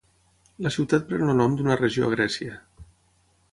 La ciutat pren el nom d'una regió a Grècia.